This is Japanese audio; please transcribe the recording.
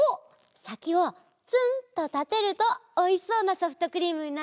さきをツンとたてるとおいしそうなソフトクリームになるよ。